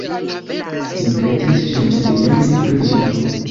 Mi petis ŝin silenti pri ĝi.